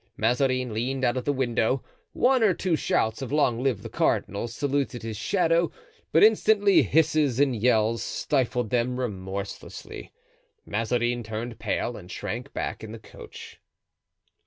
Mazarin leaned out of the window. One or two shouts of "Long live the cardinal" saluted his shadow; but instantly hisses and yells stifled them remorselessly. Mazarin turned pale and shrank back in the coach.